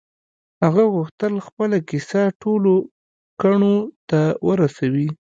هغه غوښتل خپله کيسه ټولو کڼو ته ورسوي.